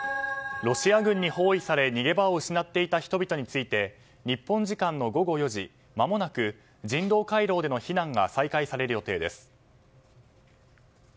ロシア軍に包囲され逃げ場を失っていた人々について日本時間の午後４時まもなく人道回廊での避難が再開される予定です。